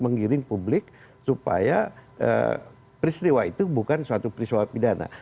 menggiring publik supaya peristiwa itu bukan suatu peristiwa pidana